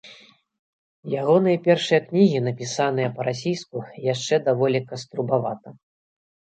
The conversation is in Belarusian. Ягоныя першыя кнігі напісаныя па-расійску і яшчэ даволі каструбавата.